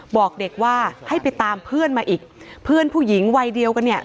บอกเด็กว่าให้ไปตามเพื่อนมาอีกเพื่อนผู้หญิงวัยเดียวกันเนี่ย